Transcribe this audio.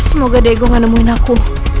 semoga diego gak nemuin aku